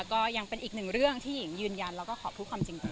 ก็ยังเป็นอีกหนึ่งเรื่องที่หญิงยืนยันแล้วก็ขอพูดความจริง